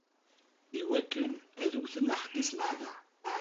Iwakken ad wten aḥeqqi s lexdeɛ.